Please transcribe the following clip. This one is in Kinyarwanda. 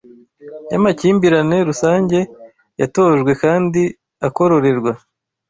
Yamakimbirane rusange yatojwe kandi akororerwa?